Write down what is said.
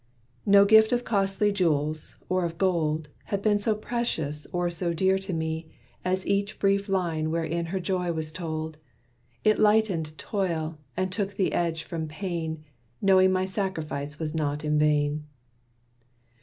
No gift of costly jewels, or of gold, Had been so precious or so dear to me, As each brief line wherein her joy was told. It lightened toil, and took the edge from pain, Knowing my sacrifice was not in vain.